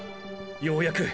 ようやく！！